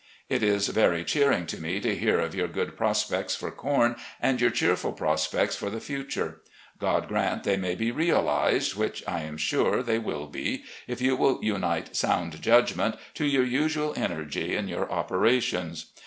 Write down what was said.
It is very cheering to me to hear of your good prospects for com and your cheerful prospects for the future. God grant they may be realised, which, I am sure, they will be, if you will unite sotmd judgment to your usual energy in your operations.